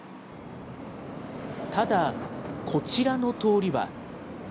ただ、こちらの通りは。